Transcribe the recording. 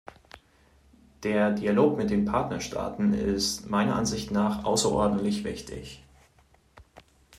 Der Dialog mit den Partnerstaaten ist meiner Ansicht nach außerordentlich wichtig.